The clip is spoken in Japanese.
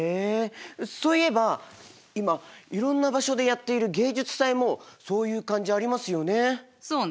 そういえば今いろんな場所でやっている芸術祭もそういう感じありますよね。